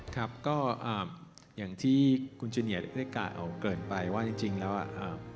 ครับก็อ่าอย่างที่คุณจิเนียร์ได้การเอาเกินไปว่าจริงจริงแล้วอ่ะอ่า